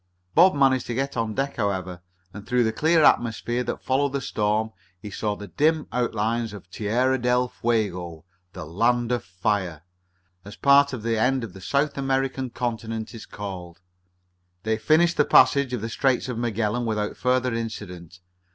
Bob managed to get out on deck, however, and, through the clear atmosphere that followed the storm, he saw the dim outlines of Terra del Fuego "The Land of Fire" as part of the end of the South American continent is called. They finished the passage of the Straits of Magellan without further incident.